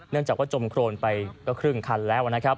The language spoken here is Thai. เนื่องจากจมโครนไปก็ครึ่งครั้งแล้ว